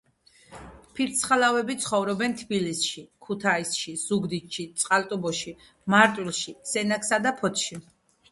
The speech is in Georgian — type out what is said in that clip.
ფირცხალავები ცხოვრობენ თბილისში, ქუთაისში, ზუგდიდში, წყალტუბოში, მარტვილში, სენაკსა და ფოთში.